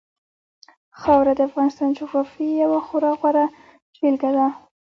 خاوره د افغانستان د جغرافیې یوه خورا غوره بېلګه ده.